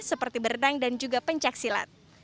seperti berenang dan juga pencaksilat